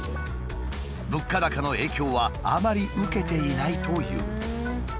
物価高の影響はあまり受けていないという。